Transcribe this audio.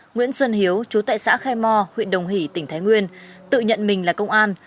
nguyễn xuân hiếu chú tại xã khe mò huyện đồng hỷ tỉnh thái nguyên tự nhận mình là công an